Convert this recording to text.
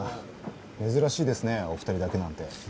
珍しいですねお二人だけなんて。